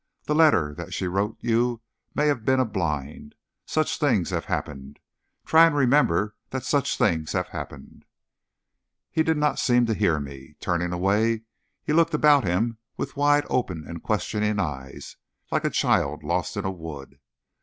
The letter that she wrote you may have been a blind. Such things have happened. Try and remember that such things have happened." He did not seem to hear me. Turning away, he looked about him with wide open and questioning eyes, like a child lost in a wood.